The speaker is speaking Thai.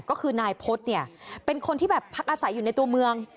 ก็คือนายพฤษเนี่ยเป็นคนที่แบบพักอาศัยอยู่ในตัวเมือง